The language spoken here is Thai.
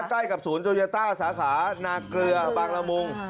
ใกล้กับศูนย์โยต้าสาขานาเกลือบางละมุง